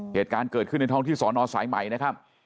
เหตุการณ์เกิดขึ้นที่สอนอยสายไหมนะครับ